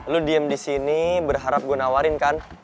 lu diem disini berharap gue nawarin kan